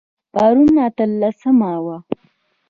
پرون اتلسمه وه